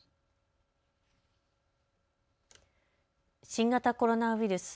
新型コロナウイルス。